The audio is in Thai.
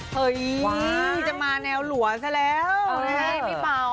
เฮ้ยจะมาแนวหลัวซะแล้วเออใช่พี่เบา